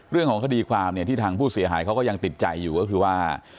เรื่องของคดีความเนี่ยที่ทางผู้เสียหายเขาก็ยังติดใจอยู่ก็คือว่า